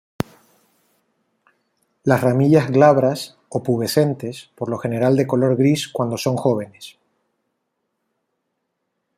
Las ramillas glabras o pubescentes, por lo general de color gris cuando son jóvenes.